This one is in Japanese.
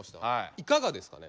いかがですかね？